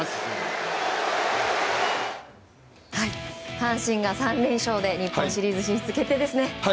阪神が３連勝で日本シリーズ進出決定ですね。